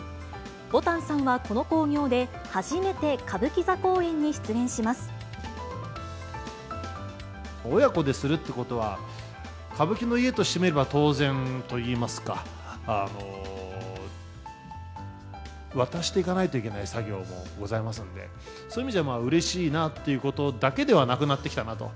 ぼたんさんはこの興行で初めて歌親子でするってことは、歌舞伎の家としてみれば当然といいますか、渡していかないといけない作業もございますので、そういう意味じゃ、うれしいなということだけではなくなってきたなと。